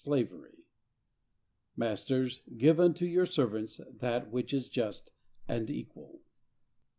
CHAPTER VIII. "Masters, give unto your servants that which is just and equal."